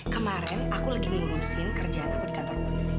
kemarin aku lagi ngurusin kerjaan aku di kantor polisi